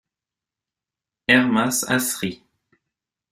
Airmas Asri.